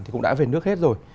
thì cũng đã về nước hết rồi